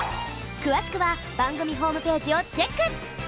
くわしくはばんぐみホームページをチェック！